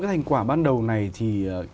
thành quả ban đầu này thì kế hoạch